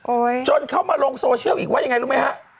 จนเข้ามาลงโซเชียลอีกว่ายังไงรู้ไหมฮะ